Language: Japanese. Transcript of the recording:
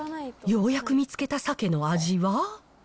ようやく見つけたさけの味は？